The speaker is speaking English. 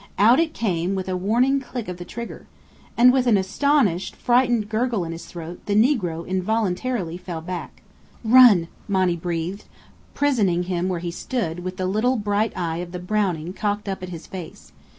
Out it came, with a warning click of the trigger. And with an astonished, frightened gurgle in his throat the negro involuntarily fell back. "Run!" Monny breathed, prisoning him where he stood, with the little bright eye of the Browning cocked up at his face.